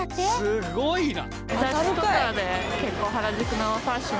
すごいな。